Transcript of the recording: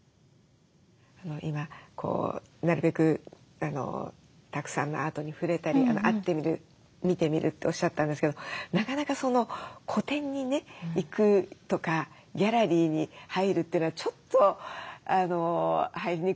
今なるべくたくさんのアートに触れたり会ってみる見てみるっておっしゃったんですけどなかなか個展にね行くとかギャラリーに入るというのがちょっと入りにくい感じもあるんですけど。